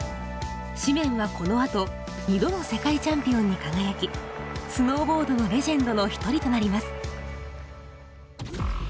シメンはこのあと２度の世界チャンピオンに輝きスノーボードのレジェンドの一人となります。